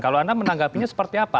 kalau anda menanggapinya seperti apa